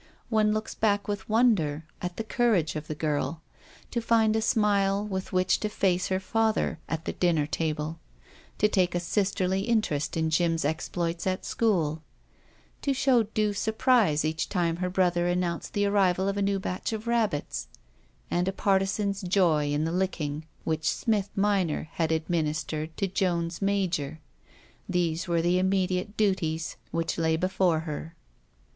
One looks back, with wonder, at the courage of the girl. To find a smile with which to face her father at the dinner table ; to take a sisterly interest in Jim's exploits at school ; to show due surprise each time her brother announced the arrival of a new batch of rabbits ; and a partisan's joy in the licking which Smith minor had administered to Jones major — these were the immediate duties which lay before her.